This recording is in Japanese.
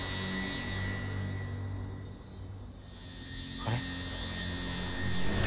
あれ？